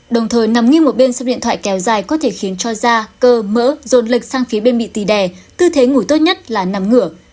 đồng thời nằm nghiêng một bên sấp điện thoại kéo dài có thể khiến cho da cơ mỡ dồn lệch sang phía bên bị tì đè tư thế ngủ tốt nhất là nằm ngửa